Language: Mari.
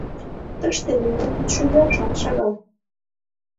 Тыште мемнан вӱдшӧ йӱашат шагал.